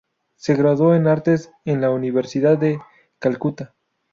Se graduó en Artes en la Universidad de Calcuta.